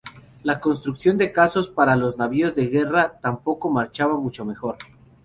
La construcción de cascos para los navíos de guerra tampoco marchaba mucho mejor.